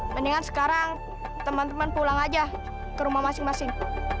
mendingan sekarang teman teman pulang aja ke rumah masing masing